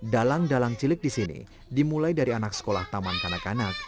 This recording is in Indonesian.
dalang dalang cilik di sini dimulai dari anak sekolah taman kanak kanak